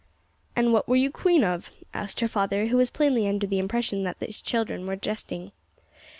"And what were you queen of?" asked her father, who was plainly under the impression that his children were jesting.